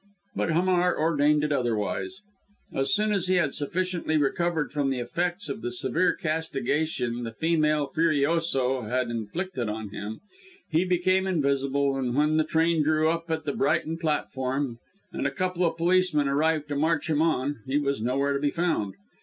But Hamar ordained it otherwise. As soon as he had sufficiently recovered from the effects of the severe castigation the female furioso had inflicted on him, he became invisible, and when the train drew up at the Brighton platform, and a couple of policemen arrived to march him on, he was nowhere to be found!